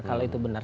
kalau itu benar